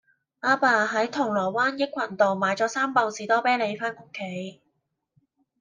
亞爸喺銅鑼灣益群道買左三磅士多啤梨返屋企